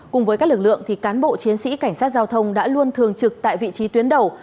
cùng với các lực lượng cán bộ chiến sĩ cảnh sát giao thông đã luôn thường trực tại vị trí tuyến đầu